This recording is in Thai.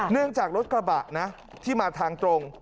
เนื่องจากรถกระบะนะที่มาทางตรง